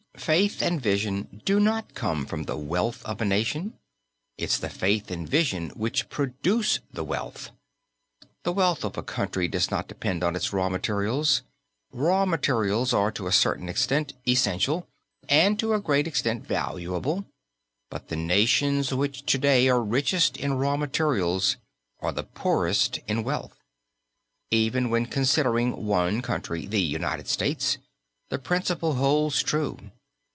Faith and vision do not come from the wealth of a nation. It's the faith and vision which produce the wealth. The wealth of a country does not depend on its raw materials. Raw materials are to a certain extent essential and to a great extent valuable; but the nations which to day are richest in raw materials are the poorest in wealth. Even when considering one country the United States the principle holds true.